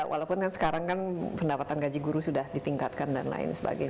walaupun kan sekarang kan pendapatan gaji guru sudah ditingkatkan dan lain sebagainya